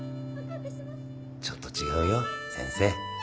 ちょっと違うよ先生。